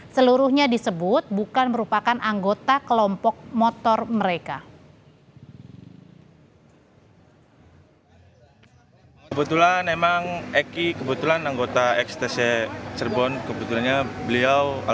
seluruhnya disebut bukan merupakan anggota kelompok motor mereka